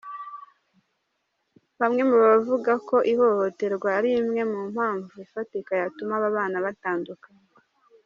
Bamwe bavuga ko ihohoterwa ari imwe mu mpamvu ifatika yatuma ababana batandukana.